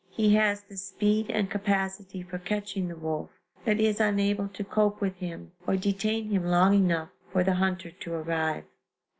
He has the speed and capacity for catching the wolf, but is unable to cope with him or detain him long enough for the hunter to arrive.